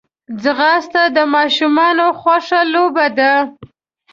ځغاسته د ماشومانو خوښه لوبه ده